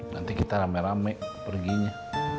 nanti kita rame rame perginya